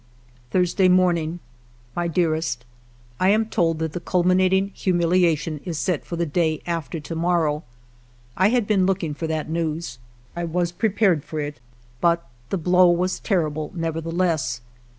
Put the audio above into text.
Thursday morning. "My Dearest, —" I am told that the culminating humiliation is set for the day after to morrow. I had been looking for that news. I was prepared for it ; but the blow was terrible, nevertheless.